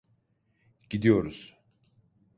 Gidiyoruz.